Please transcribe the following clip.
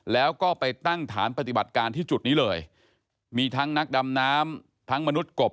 แล้วก็ไปตั้งฐานปฏิบัติการที่จุดนี้เลยมีทั้งนักดำน้ำทั้งมนุษย์กบ